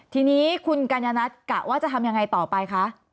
ทีนี้คุณกัญญนัทกะว่าจะทำยังไงต่อไปคะ